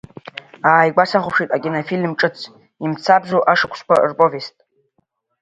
Ааигәа сахәаԥшит акинофильм ҿыц Имцабзу ашықәсқәа рповест.